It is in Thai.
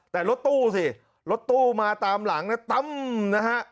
แต่รถตู้สิรถตู้มาตามหลังนะตั้มนะฮะ